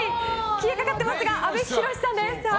消えかかってますが阿部寛さんです。